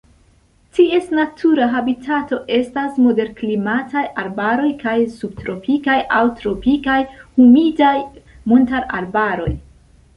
Ties natura habitato estas moderklimataj arbaroj kaj subtropikaj aŭ tropikaj humidaj montararbaroj.